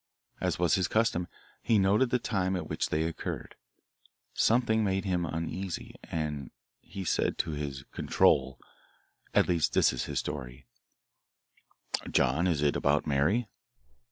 As was his custom, he noted the time at which they occurred. Something made him uneasy, and he said to his 'control' at least this is his story: "'John, is it about Mary?'